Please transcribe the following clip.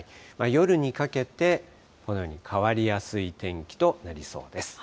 夜にかけてこのように変わりやすい天気となりそうです。